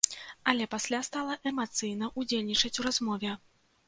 Але пасля стала эмацыйна ўдзельнічаць у размове.